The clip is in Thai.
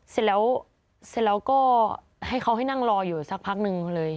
เสร็จแล้วก็ให้เขาให้นั่งรออยู่สักพักหนึ่งเลย